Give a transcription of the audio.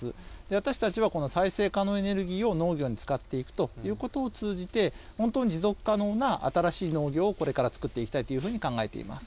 私たちはこの再生可能エネルギーを農業に使っていくということを通じて、本当に持続可能な新しい農業をこれから作っていきたいというふうに考えています。